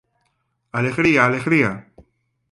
Alegría, alegría.